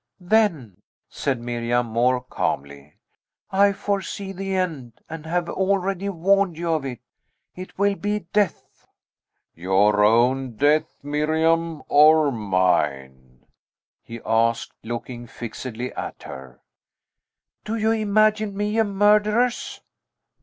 "Then," said Miriam more calmly, "I foresee the end, and have already warned you of it. It will be death!" "Your own death, Miriam, or mine?" he asked, looking fixedly at her. "Do you imagine me a murderess?"